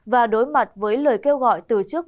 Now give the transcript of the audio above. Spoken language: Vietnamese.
và đối mặt với lời kêu gọi từ trước